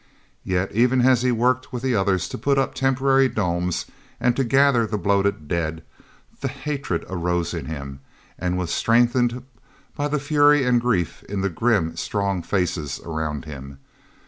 Yet even as he worked with the others, to put up temporary domes and to gather the bloated dead, the hatred arose in him, and was strengthened by the fury and grief in the grim, strong faces around him.